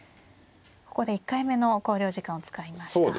ここで１回目の考慮時間を使いました。